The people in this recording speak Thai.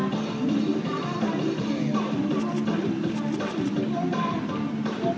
ตรงตรงตรงตรง